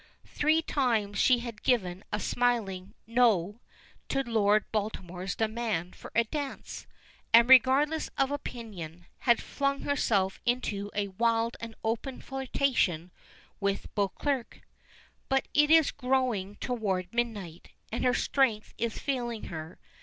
Three times she had given a smiling "No" to Lord Baltimore's demand for a dance, and, regardless of opinion, had flung herself into a wild and open flirtation with Beauclerk. But it is growing toward midnight, and her strength is failing her.